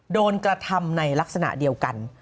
โดนกระทำในลักษณะเดียวกัน